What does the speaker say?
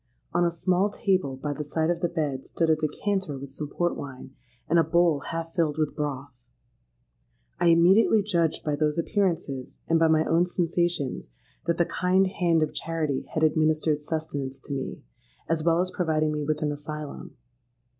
On a small table by the side of the bed stood a decanter with some port wine, and a bowl half filled with broth. I immediately judged by those appearances, and by my own sensations, that the kind hand of charity had administered sustenance to me, as well as providing me with an asylum.